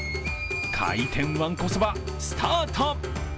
回転わんこそば、スタート！